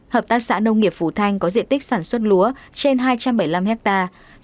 hợp tác xã nông nghiệp phù thanh có diện tích sản xuất lúa trên hai trăm bảy mươi năm hectare